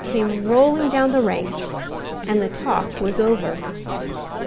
came rolling down the ranks, and the talk was over.